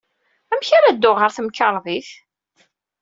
Amek ara dduɣ ɣer temkarḍit?